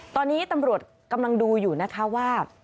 ตอนนี้ตำรวจกำลังดูอยู่นะคะว่า